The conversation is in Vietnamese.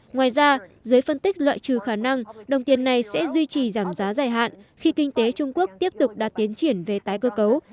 ngoài ra dưới phân tích loại trừ khả năng đồng tiền này sẽ duy trì giảm giá dài hạn khi kinh tế trung quốc tiếp tục đạt tiến triển về tái cơ cấu